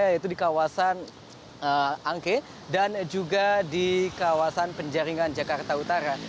yaitu di kawasan angke dan juga di kawasan penjaringan jakarta utara